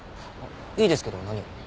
いいですけど何を？